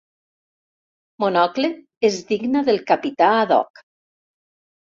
Monocle és digna del capità Haddock.